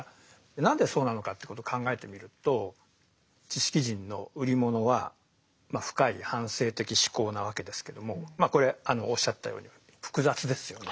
何でそうなのかってこと考えてみると知識人の売り物はまあ深い反省的思考なわけですけどもまあこれおっしゃったように複雑ですよね。